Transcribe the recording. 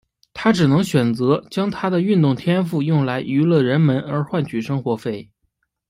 他只能选择将他的运动天赋用来娱乐人们而换取生活费。